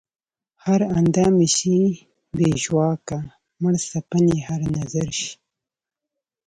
هر اندام ئې شي بې ژواکه مړڅپن ئې هر نظر شي